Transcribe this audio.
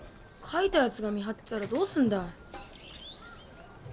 書いた奴が見張ってたらどうするんだ。